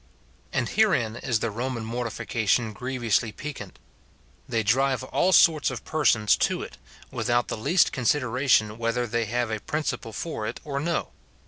And herein is the Roman mortification grievously pec cant ; they drive all sorts of persons to it, without the least consideration whether they have a principle for it or no.